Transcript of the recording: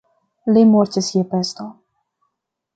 Li mortis je pesto.